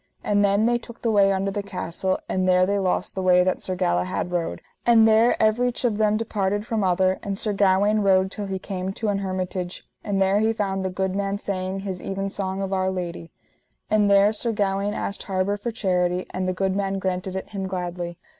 And then they took the way under the castle, and there they lost the way that Sir Galahad rode, and there everych of them departed from other; and Sir Gawaine rode till he came to an hermitage, and there he found the good man saying his evensong of Our Lady; and there Sir Gawaine asked harbour for charity, and the good man granted it him gladly.